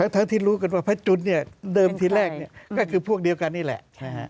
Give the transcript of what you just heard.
ทั้งที่รู้กันว่าพระจุนเนี่ยเดิมทีแรกก็คือพวกเดียวกันนี่แหละ